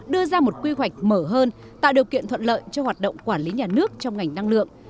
đưa ra một quy hoạch mở hơn tạo điều kiện thuận lợi cho hoạt động quản lý nhà nước trong ngành năng lượng